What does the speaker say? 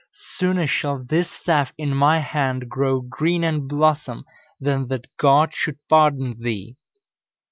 Sooner shall this staff in my hand grow green and blossom, than that God should pardon thee!"